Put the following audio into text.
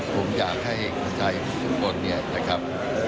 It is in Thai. ผมอยากให้คนไทยทุกคนเนี่ยนะครับ